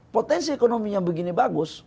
potensi ekonominya begini bagus